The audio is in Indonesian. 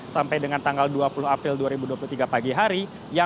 sampai dengan tanggal dua puluh april dua ribu dua puluh tiga pagi hari